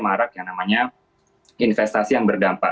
marak yang namanya investasi yang berdampak